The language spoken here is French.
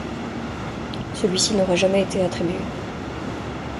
Celui-ci n'aurait jamais été attribué.